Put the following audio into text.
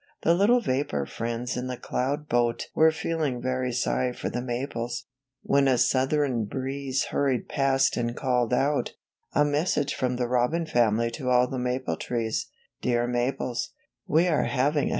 The little vapor friends in the cloud boat were feeling very sorry for the maples, when a southern breeze hurried past and called out, message from the Robin family to all the maple trees: ^Dear maples, we are having a 146 THE FIRST SNOW STORM.